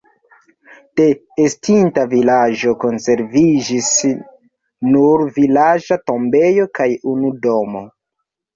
De estinta vilaĝo konserviĝis nur vilaĝa tombejo kaj unu domo.